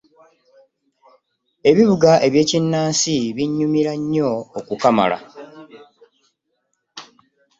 Ebivuga eby'ekinnansi binnyumira nnyo okukamala!